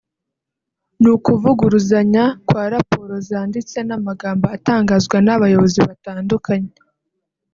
ni ukuvuguruzanya kwa raporo zanditse n’amagambo atangazwa n’abayobozi batandukanye